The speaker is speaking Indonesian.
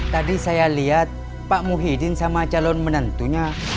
tadi saya lihat pak muhyiddin sama calon menentunya